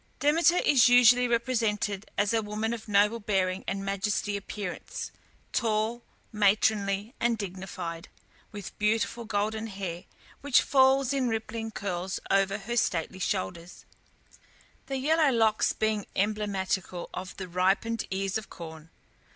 Demeter is usually represented as a woman of noble bearing and majestic appearance, tall, matronly, and dignified, with beautiful golden hair, which falls in rippling curls over her stately shoulders, the yellow locks being emblematical of the ripened ears of corn.